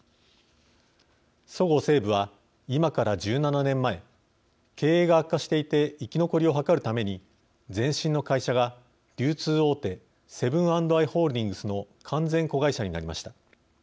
そごう・西武は今から１７年前経営が悪化していて生き残りを図るために前身の会社が、流通大手セブン＆アイ・ホールディングスの完全子会社になりました。